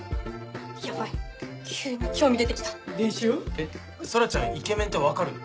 えっ空ちゃんイケメンって分かるの？